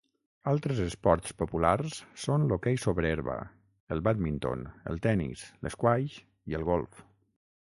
Altres esports populars són l'hoquei sobre herba, el bàdminton, el tenis, l'esquaix i el golf.